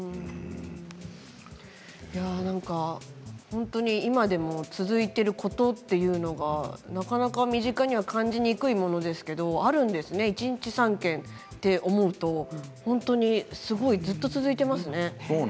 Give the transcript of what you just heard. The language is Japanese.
本当に今でも続いていることというのはなかなか身近には感じにくいものですけど、あるんですね一日３件って思うと本当にすごいずっと続いていますね。